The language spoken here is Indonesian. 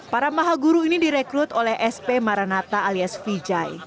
para maha guru ini direkrut oleh sp maranata alias vijay